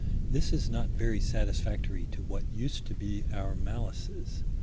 This is not very satisfactory to what used to be our malices.